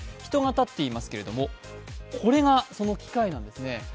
人が立っていますけれども、これがその機械なんですね。